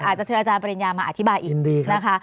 อาจจะเชิญอาจารย์ปริญญามาอธิบายอีกนะคะ